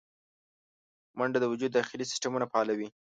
منډه د وجود داخلي سیستمونه فعالوي